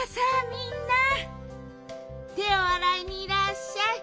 みんなてをあらいにいらっしゃい。